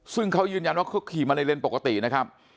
ซึ่งเขายืนยันว่าเขาขี่มาในเลนส์ปกตินะครับ